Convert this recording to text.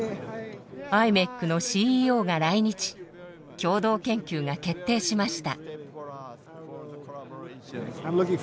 ｉｍｅｃのＣＥＯが来日共同研究が決定しました。